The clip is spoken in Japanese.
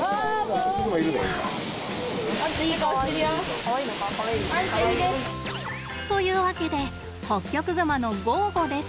あかわいい！というわけでホッキョクグマのゴーゴです。